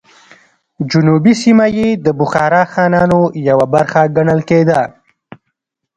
جنوبي سیمه یې د بخارا خانانو یوه برخه ګڼل کېده.